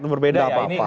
tentu berbeda ya ini